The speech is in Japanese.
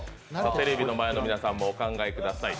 テレビの前の皆さんもお考えください。